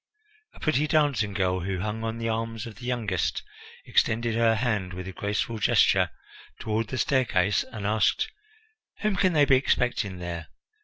A pretty dancing girl, who hung on the arm of the youngest, extended her hand with a graceful gesture toward the staircase, and asked: "Whom can they be expecting there?